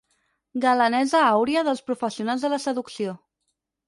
Galanesa àuria dels professionals de la seducció.